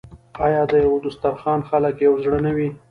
آیا د یو دسترخان خلک یو زړه نه وي؟